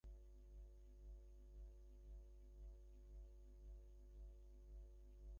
তখন মতি বলে যে কুমুদ তবে আর একটা ঘর ভাড়া নিক।